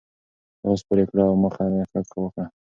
لاس پورته کړه او مخه ښه وکړه.